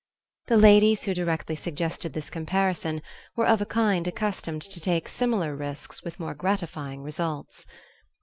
The ladies who directly suggested this comparison were of a kind accustomed to take similar risks with more gratifying results.